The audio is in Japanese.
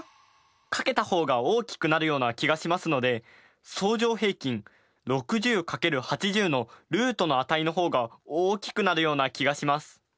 かけた方が大きくなるような気がしますので相乗平均６０×８０のルートの値の方が大きくなるような気がします。